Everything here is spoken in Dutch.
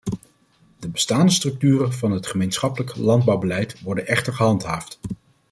De bestaande structuren van het gemeenschappelijk landbouwbeleid worden echter gehandhaafd.